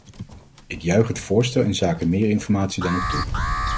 Ik juich het voorstel inzake meer informatie dan ook toe.